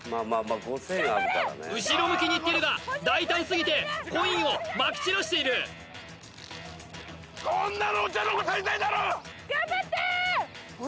後ろ向きにいっているが大胆すぎてコインをまき散らしているこんなのお茶の子さいさいだろ！